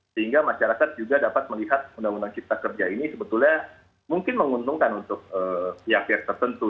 sehingga masyarakat juga dapat melihat undang undang cipta kerja ini sebetulnya mungkin menguntungkan untuk pihak pihak tertentu